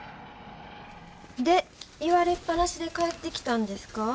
で言われっぱなしで帰ってきたんですか。